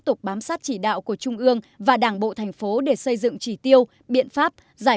tục bám sát chỉ đạo của trung ương và đảng bộ thành phố để xây dựng chỉ tiêu biện pháp giải